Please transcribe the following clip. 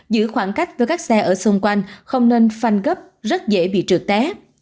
giữ khoảng cách với các xe ở xung quanh không nên phanh gấp rất dễ bị trượt té